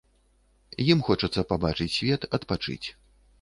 Ім хочацца пабачыць свет, адпачыць.